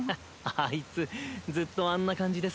あいつずっとあんな感じでさ。